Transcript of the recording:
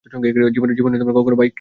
জীবনে কখনও বাইক চালিয়েছিস?